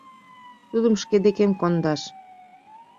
Тудым шке декем кондаш